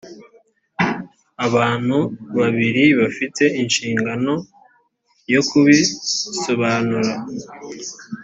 abantu babiri bafite inshingano yo kubisbanura